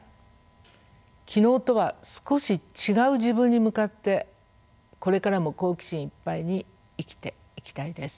昨日とは少し違う自分に向かってこれからも好奇心いっぱいに生きていきたいです。